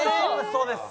そうです